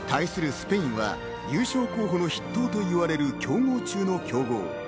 スペインは優勝候補の筆頭と言われる強豪中の強豪。